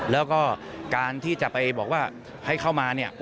แล้วก็การที่จะไปบอกว่าให้เข้ามาเนี่ย